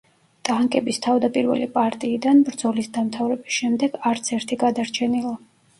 ტანკების თავდაპირველი პარტიიდან, ბრძოლის დამთავრების შემდეგ, არც ერთი გადარჩენილა.